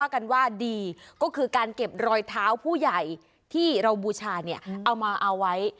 กันว่าดีก็คือการเก็บรอยเท้าผู้ใหญ่ที่เราบูชาเนี่ยเอามาเอาไว้